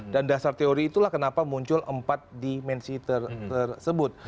dan dasar teori itulah kenapa muncul empat dimensi tersebut